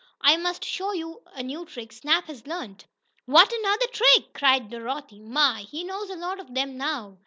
"I must show you a new trick Snap has learned." "What! Another trick?" cried Dorothy. "My! He knows a lot of them now.